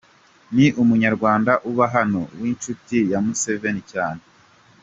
Ni Umunyarwanda uba hano w’inshuti ya Museveni cyane.